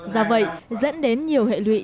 do vậy dẫn đến nhiều hệ thống